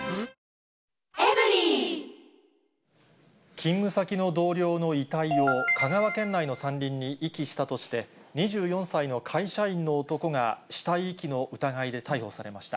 勤務先の同僚の遺体を香川県内の山林に遺棄したとして、２４歳の会社員の男が死体遺棄の疑いで逮捕されました。